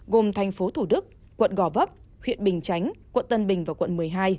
gồm thành phố thủ đức quận gò vấp huyện bình chánh quận tân bình và quận một mươi hai